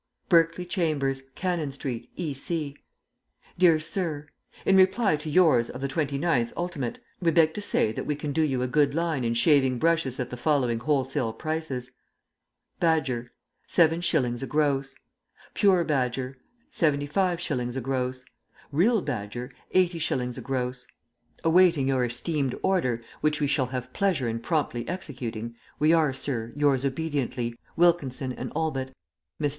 "BERKELEY CHAMBERS, CANNON STREET, E.C. DEAR SIR, In reply to yours of the 29th ult. we beg to say that we can do you a good line in shaving brushes at the following wholesale prices: Badger 70s. a gross. Pure Badger 75s. a gross. Real Badger 80s. a gross. Awaiting your esteemed order, which we shall have pleasure in promptly executing, We are, sir, Yours obediently, WILKINSON and ALLBUTT. MR.